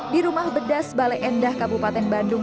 di rumah bedas bale endah kabupaten bandung